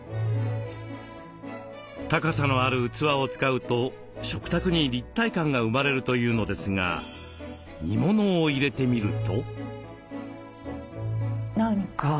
高さのある器を使うと食卓に立体感が生まれるというのですが煮物を入れてみると。